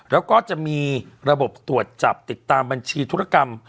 แล้วก็จะมีระบบตรวจจับติดตามบัญชีธุรกรรม